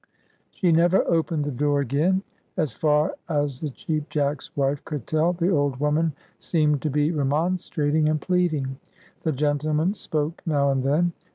She never opened the door again. As far as the Cheap Jack's wife could tell, the old woman seemed to be remonstrating and pleading; the gentleman spoke now and then.